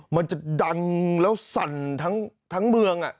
มันจะดังแล้วสั่นทั้งเมือง